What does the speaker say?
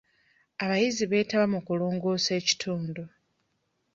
Abayizi beetaba mu kulongoosa ekitundu.